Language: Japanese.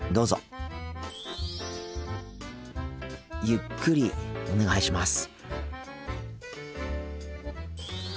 ゆっくりお願いします。